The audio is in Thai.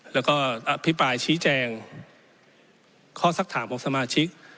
แล้วก็อภิปรายชี้แจงข้อสักถามของสมาชิก